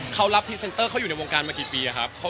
เขารับพรีเซนเตอร์เขาอยู่ในวงการมากี่ปีครับ